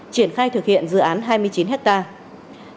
triển khai thực hiện dự án hai mươi chín hectare